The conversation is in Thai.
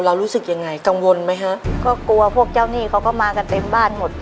รู้สึกยังไงกังวลไหมฮะก็กลัวพวกเจ้าหนี้เขาก็มากันเต็มบ้านหมด